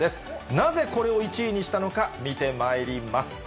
なぜこれを１位にしたのか、見てまいります。